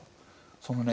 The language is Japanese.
そのね